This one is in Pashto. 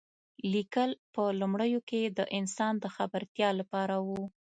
لیکل په لومړیو کې د انسان د خبرتیا لپاره و.